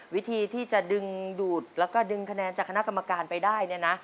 วิธีที่จะดึงดูดแล้วก็ดึงคะแนนจากคณะกรรมการไปได้เนี่ยนะ